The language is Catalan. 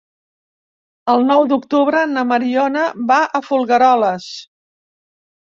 El nou d'octubre na Mariona va a Folgueroles.